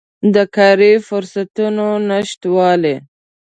د کاري فرصتونو نشتوالی